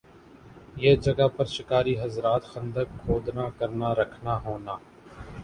یِہ جگہ پر شکاری حضرات خندق کھودنا کرنا رکھنا ہونا